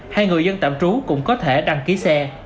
hay người dân tạm trú cũng có thể đăng ký xe